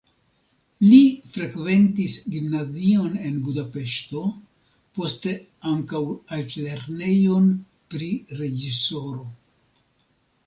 Li frekventis gimnazion en Budapeŝto, poste ankaŭ altlernejon pri reĝisoro.